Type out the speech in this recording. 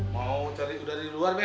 mau cari udara di luar be